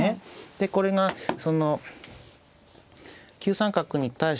でこれがその９三角に対してですね